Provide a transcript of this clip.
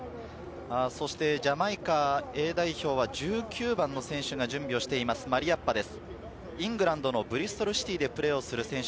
そしてジャマイカＡ代表は１９番の選手が準備しています、マリアッパです。